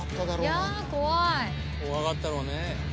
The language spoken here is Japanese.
怖かったろうね。